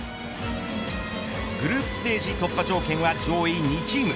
グループステージ突破条件は上位２チーム。